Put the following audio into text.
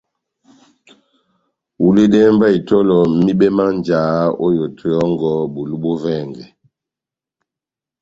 Huledɛhɛ mba itɔlɔ mibɛ má njáhá ó yoto yɔ́ngɔ bulu bó vɛngɛ.